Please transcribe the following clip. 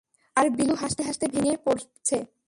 আর বীলু হাসতে-হাসতে ভেঙে পড়ছে।